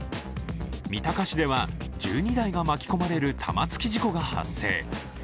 三鷹市では、１２台が巻き込まれる玉突き事故が発生。